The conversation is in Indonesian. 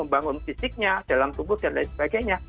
membangun fisiknya dalam tubuh dan lain sebagainya